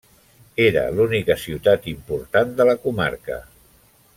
Era l'única ciutat important de la comarca.